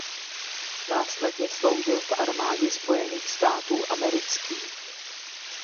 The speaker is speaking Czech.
Následně sloužil v Armádě Spojených států amerických.